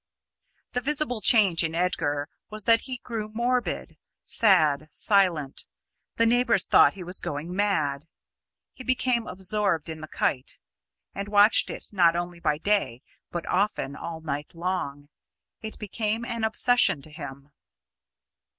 The visible change in Edgar was that he grew morbid, sad, silent; the neighbours thought he was going mad. He became absorbed in the kite, and watched it not only by day, but often all night long. It became an obsession to him.